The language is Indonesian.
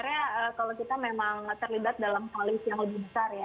sebenarnya kalau kita memang terlibat dalam koalisi yang lebih besar ya